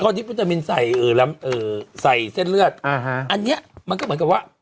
ก็ยิบวิตามินใส่เส้นเลือดอันนี้มันก็เหมือนกับว่า